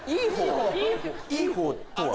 「いい方」とは？